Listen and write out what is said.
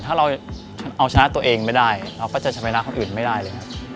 ถ้าเราเอาชนะตัวเองไม่ได้เราก็จะชนะคนอื่นไม่ได้เลยครับ